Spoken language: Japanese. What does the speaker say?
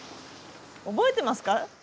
覚えてますか？